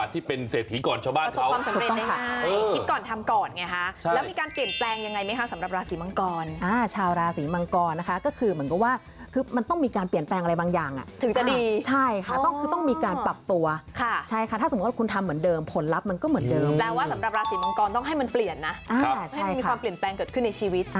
ต้องให้มันเปลี่ยนนะให้มีความเปลี่ยนแปลงเกิดขึ้นในชีวิต